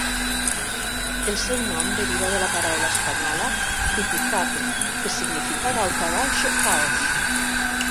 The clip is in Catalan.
El seu nom deriva de la paraula espanyola "zipizape", que significa "daltabaix" o "caos".